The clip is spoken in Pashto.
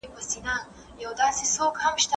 علامه رشاد په تاریخ لیکنه کې د دقت او ژوروالي مثال دی.